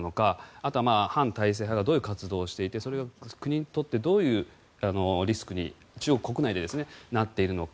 あとは反体制派がどういう活動をしていてそれが国にとってどういうリスクに中国国内でなっているのか。